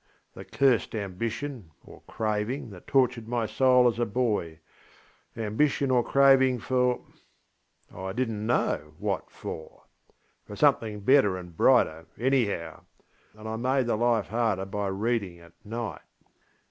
The cursed ambition or craving that tortured my soul as a boyŌĆö ambition or craving forŌĆöI didnŌĆÖt know what for! For something better and brighter, anyhow. And I made the life harder by reading at night.